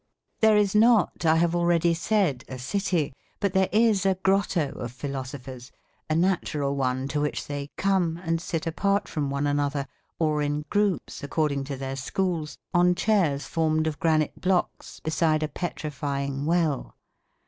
There is not, I have already said, a city, but there is a grotto of philosophers, a natural one to which they come, and sit apart from one another or in groups, according to their schools, on chairs formed of granite blocks beside a petrifying well.